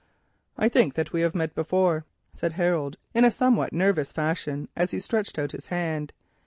"I think that we have met before," said Harold, in a somewhat nervous fashion, as he stretched out his hand.